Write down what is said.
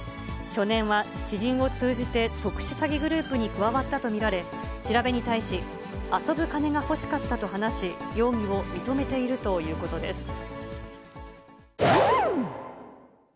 少年は知人を通じて特殊詐欺グループに加わったと見られ、調べに対し、遊ぶ金が欲しかったと話し、容疑を認めているということです。